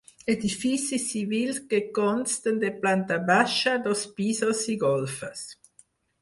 Edificis civils que consten de planta baixa, dos pisos i golfes.